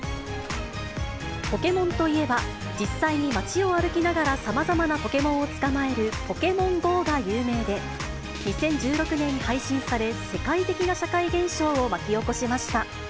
ポケモンといえば、実際に街を歩きながらさまざまなポケモンを捕まえるポケモンＧＯが有名で、２０１６年に配信され、世界的な社会現象を巻き起こしました。